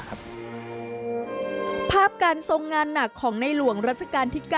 ภาพการทรงงานหนักของในหลวงรัชกาลที่๙